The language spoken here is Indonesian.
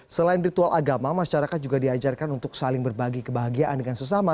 selain ritual agama masyarakat juga diajarkan untuk saling berbagi kebahagiaan dengan sesama